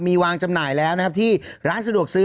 มีวางจำหน่ายแล้วนะครับที่ร้านสะดวกซื้อ